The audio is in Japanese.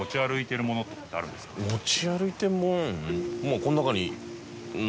持ち歩いてるもん？